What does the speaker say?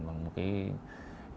bằng một cái bài học